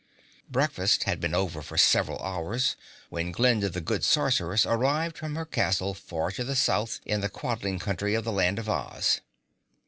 Breakfast had been over for several hours when Glinda the Good Sorceress arrived from her castle far to the South in the Quadling Country of the Land of Oz.